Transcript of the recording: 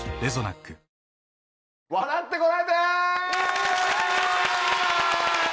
『笑ってコラえて！』。